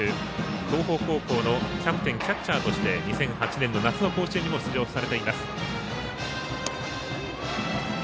東邦高校のキャプテンキャッチャーとして２００８年の夏の甲子園にも出場されています。